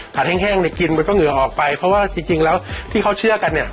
แห้งเนี่ยกินมันก็เหงื่อออกไปเพราะว่าจริงแล้วที่เขาเชื่อกันเนี่ย